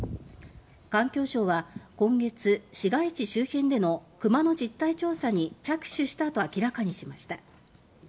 環境省は、今月市街地周辺でのクマの実態調査に着手したと明らかにしました。